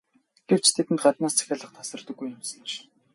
Гэвч тэдэнд гаднаас захиалга тасардаггүй юмсанж.